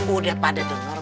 udah pada denger